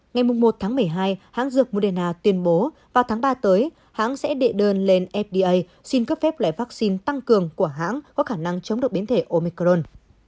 ngày một tháng một mươi hai hãng dược moderna tuyên bố vào tháng ba tới hãng sẽ đệ đơn lên fda xin cấp phép lại vaccine tăng cường của hãng có khả năng chống được biến thể omicron